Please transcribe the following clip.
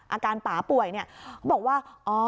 อาการป่าป่วยเนี่ยเขาบอกว่า